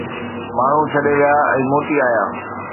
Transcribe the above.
ماڻهو ڇڏي ويا ۽ موٽي آيا